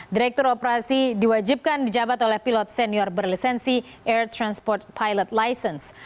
direktur operasi diwajibkan dijabat oleh pilot senior berlisensi air transport pilot license